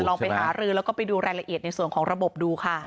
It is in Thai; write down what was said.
ไปหารือแล้วก็ไปดูรายละเอียดในส่วนของระบบดูค่ะ